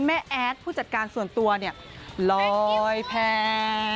แม่แอ๊ดผู้จัดการส่วนตัวลอยแพ้